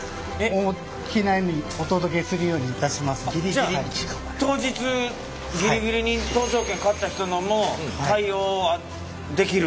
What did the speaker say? じゃあ当日ギリギリに搭乗券買った人のも対応できる？